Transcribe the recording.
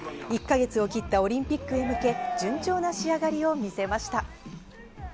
１か月を切ったオリンピックへ向け、順調な仕上がりを見せました。